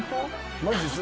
マジです。